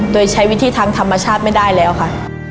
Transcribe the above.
โดยใช้วิธีทางธรรมชาติไม่ได้แล้วค่ะ